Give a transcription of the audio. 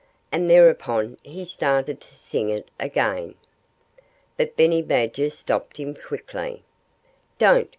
And thereupon he started to sing it again. But Benny Badger stopped him quickly. "Don't!"